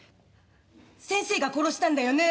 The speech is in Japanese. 先生が殺したんだよね？